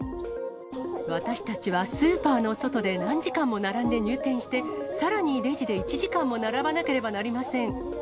私たちはスーパーの外で何時間も並んで入店して、さらにレジで１時間も並ばなければなりません。